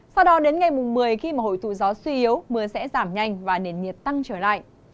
sau đó đến ngày một mươi khi mà hội thủ gió suy yếu mưa sẽ giảm nhanh và nền nhiệt tăng trở lại